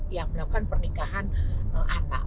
yang melakukan pernikahan anak